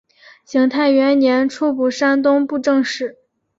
景泰元年出补山东布政使。